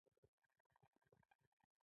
یو یې هم د سلطان محمود استعداد نه درلود.